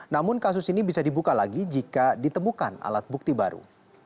namun kasus ini bisa dibuka lagi jika ditemukan alat bukti baru